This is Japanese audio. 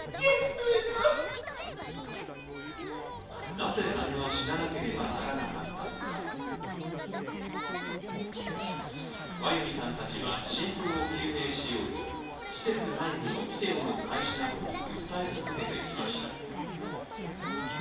なぜ姉は死ななければならなかったのかワヨミさんたちは真相を究明しようと施設内部のビデオの開示などを訴え続けてきました